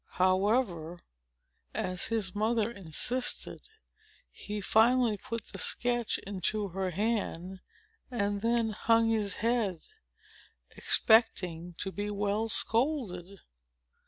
However, as his mother insisted, he finally put the sketch into her hand, and then hung his head, expecting to be well scolded.